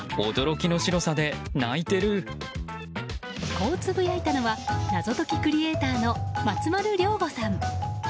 こうつぶやいたのは謎解きクリエーターの松丸亮吾さん。